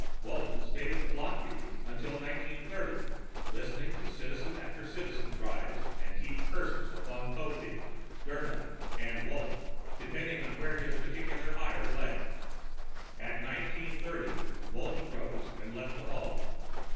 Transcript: Walton stayed at the block meeting until 1930, listening to citizen after citizen rise and heap curses upon Popeek, Dirna, or Walton, depending on where his particular ire lay. At 1930 Walton rose and left the hall.